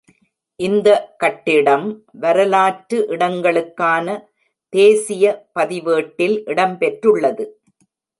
இந்த கட்டிடம் வரலாற்று இடங்களுக்கான தேசிய பதிவேட்டில் இடம்பெற்றுள்ளது.